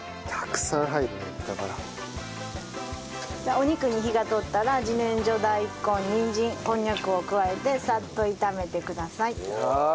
お肉に火が通ったら自然薯大根にんじんこんにゃくを加えてサッと炒めてください。